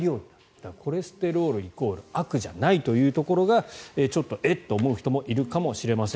だから、コレステロールイコール悪じゃないというところがちょっと、えっ？って思う人もいるかもしれません。